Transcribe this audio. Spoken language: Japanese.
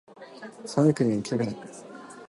寒い国にはいきたくない